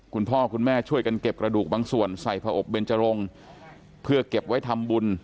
คุณพ่อคุณแม่ช่วยกันเก็บกระดูกบางส่วนใส่ผอบเบนจรงเพื่อเก็บไว้ทำบุญ